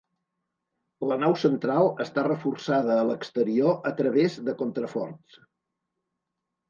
La nau central està reforçada a l'exterior a través de contraforts.